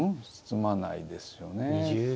詰まないですよね。